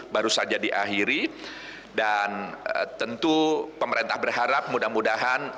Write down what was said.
baru saja diakhiri dan tentu pemerintah berharap mudah mudahan